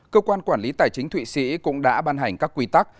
cơ quan quản lý tài chính thụy sĩ cũng đã ban hành các quy tắc